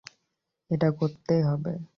এটা করতেই হবে।